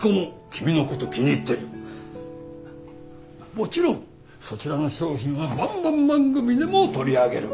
もちろんそちらの商品はばんばん番組でも取り上げる。